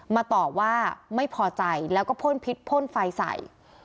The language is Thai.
ตอบว่าไม่พอใจแล้วก็พ่นพิษพ่นไฟใส่